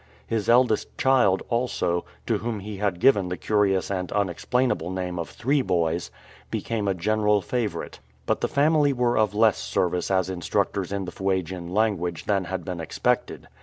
His eldest child also, to whom he had given the curious and unexplainable name of Threeboys, became a general favourite. But the family were of less service as in structors in the Fuegian language than had been expected.